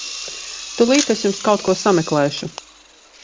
Tūlīt es jums kaut ko sameklēšu.